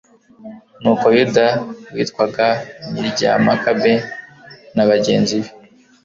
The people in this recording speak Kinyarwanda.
nuko yuda, witwaga n'irya makabe, na bagenzi be